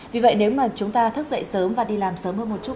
vì vậy nếu mà chúng ta thức dậy sớm và đi làm sớm hơn một chút